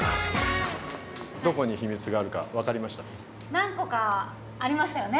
何個かありましたよね？